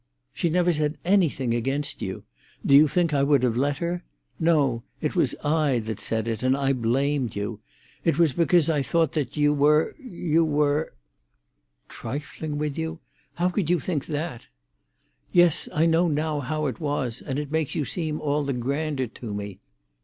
"She never said anything against you. Do you think I would have let her? No; it was I that said it, and I blamed you. It was because I thought that you were—you were—" "Trifling with you? How could you think that?" "Yes, I know now how it was, and it makes you seem all the grander to me.